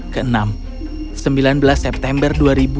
keenam sembilan belas september dua ribu enam belas